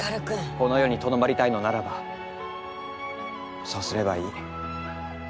この世にとどまりたいのならばそうすればいい。